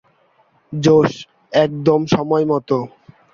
জোশ, একদম সময়মতো।